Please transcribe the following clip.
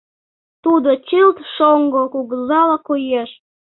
Тудо чылт шоҥго кугызала коеш.